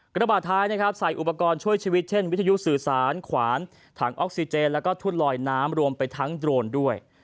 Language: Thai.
กระบาดท้ายนะครับใส่อุปกรณ์ช่วยชีวิตเช่นวิทยุสื่อสารขวานถังออกซิเจนแล้วก็ทุ่นลอยน้ำรวมไปทั้งโดรนด้วย